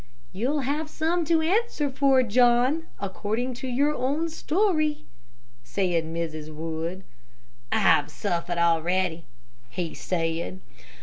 "You'll have some to answer for, John, according to your own story," said Mrs. Wood. "I have suffered already," he said.